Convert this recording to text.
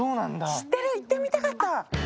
知ってる、行ってみたかった！